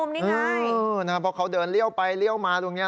เพราะเขาเดินเลี่ยวไปเลี่ยวมาตรงนี้